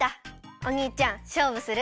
おにいちゃんしょうぶする？